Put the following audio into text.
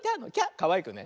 かわいくね。